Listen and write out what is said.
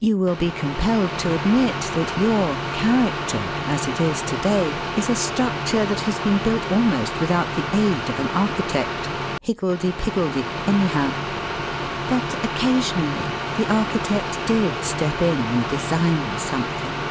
You will be compelled to admit that your 'character,' as it is to day, is a structure that has been built almost without the aid of an architect; higgledy piggledy, anyhow. But occasionally the architect did step in and design something.